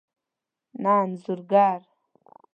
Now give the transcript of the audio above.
نه انځور ګر